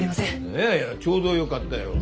いやいやちょうどよかったよ。